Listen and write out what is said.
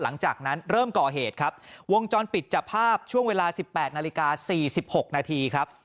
หลังจากนั้นเริ่มก่อเหตุครับวงจรปิดจับภาพช่วงเวลา๑๘นาฬิกา๔๖นาทีครับ